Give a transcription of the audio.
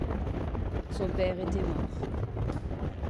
Son père était mort.